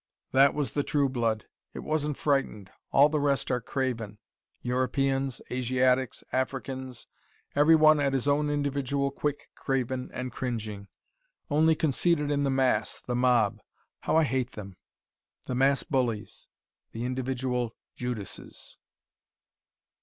That was the true blood. It wasn't frightened. All the rest are craven Europeans, Asiatics, Africans everyone at his own individual quick craven and cringing: only conceited in the mass, the mob. How I hate them: the mass bullies, the individual Judases.